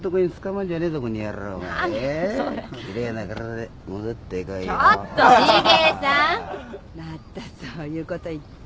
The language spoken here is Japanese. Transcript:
またそういうこと言って。